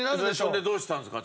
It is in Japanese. それでどうしたんですか？